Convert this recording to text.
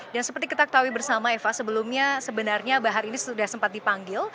dan seperti kita ketahui bersama eva sebelumnya sebenarnya bahar ini sudah sempat dipanggil